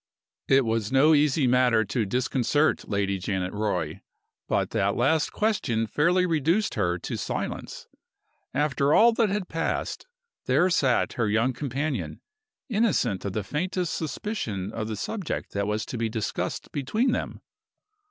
It was no easy matter to disconcert Lady Janet Roy. But that last question fairly reduced her to silence. After all that had passed, there sat her young companion, innocent of the faintest suspicion of the subject that was to be discussed between them!